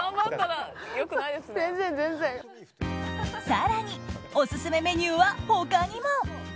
更にオススメメニューは他にも。